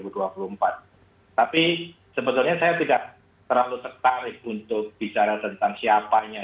tapi sebetulnya saya tidak terlalu tertarik untuk bicara tentang siapanya